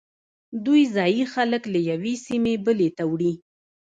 دوی ځایی خلک له یوې سیمې بلې ته وړي